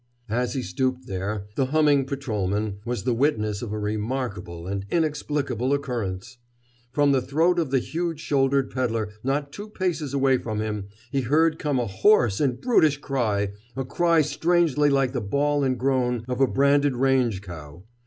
As he stooped there the humming patrolman was the witness of a remarkable and inexplicable occurrence. From the throat of the huge shouldered peddler, not two paces away from him, he heard come a hoarse and brutish cry, a cry strangely like the bawl and groan of a branded range cow.